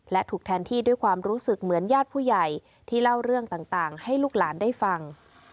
และถูกแทนที่ด้วยความรู้สึกเหมือนญาติผู้ใหญ่ที่เล่าเรื่องต่างให้ลูกหลานได้ฟัง